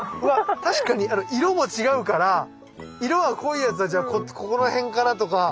確かに色も違うから色が濃いやつはじゃあここら辺かなとかありますね。